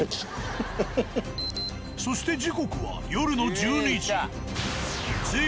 そして時刻は夜の１２時。